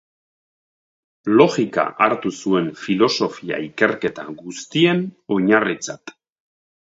Logika hartu zuen filosofia-ikerketa guztien oinarritzat.